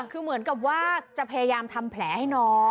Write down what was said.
คือเหมือนกับว่าจะพยายามทำแผลให้น้อง